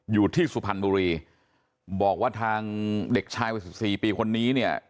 สุพรรณบุรีบอกว่าทางเด็กชายวัยสิบสี่ปีคนนี้เนี่ย